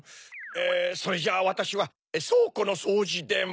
それじゃわたしはそうこのそうじでも。